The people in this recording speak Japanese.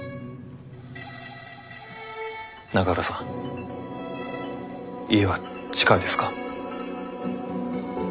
永浦さん家は近いですか？